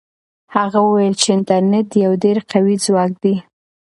هغه وویل چې انټرنيټ یو ډېر قوي ځواک دی.